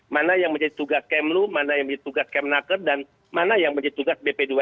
mana yang menjadi tugas kemlu mana yang menjadi tugas kemnaker dan mana yang menjadi tugas bp dua